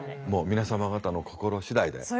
もう皆様方の心次第で。